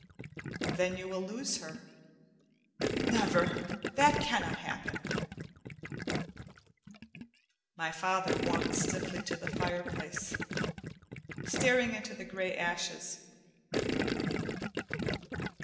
"Then you will lose her." "Never! That cannot happen!" My father walked stiffly to the fireplace, staring into the gray ashes.